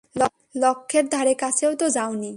লক্ষ্যের ধারেকাছেও তো যাওনি!